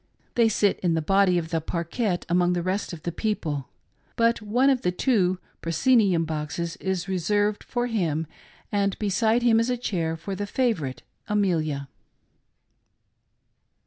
They sit in the body of the parquette, among the rest of the people ; but on^ of the two proscenium boxes is reserved for him, and beside him is a chair for the favorite Amelia.